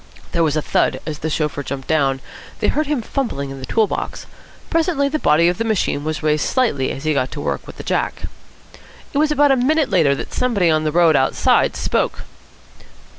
There was a thud, as the chauffeur jumped down. They heard him fumbling in the tool box. Presently the body of the machine was raised slightly as he got to work with the jack. It was about a minute later that somebody in the road outside spoke.